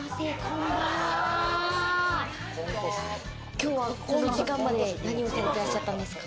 きょうは、この時間まで何をされてらっしゃったんですか？